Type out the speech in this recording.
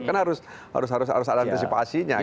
kan harus harus harus ada antisipasinya gitu